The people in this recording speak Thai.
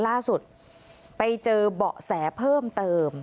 ล่าสุดไปเจอเบาะแสเพิ่มเติม